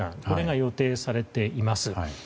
これが予定されています。